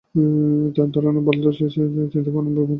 ধারণা বলতে সাধারণত চিন্তাভাবনা বা বিমূর্ত ধারণা বোঝায়।